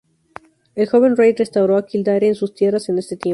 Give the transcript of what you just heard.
El joven rey restauró a Kildare en sus tierras en este tiempo.